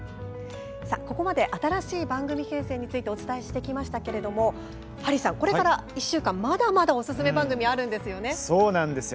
ここまで新しい番組編成についてお伝えしてきましたがハリーさん、これから１週間まだまだおすすめ番組あるんですよね。